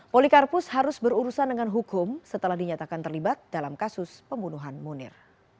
polikarpus harus berurusan dengan hukum setelah dinyatakan terlibat dalam kasus pembunuhan munir